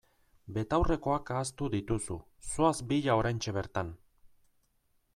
Betaurrekoak ahaztu dituzu, zoaz bila oraintxe bertan!